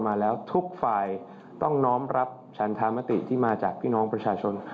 มาแล้วทุกฝ่ายต้องน้อมรับชันธรรมติที่มาจากพี่น้องประชาชน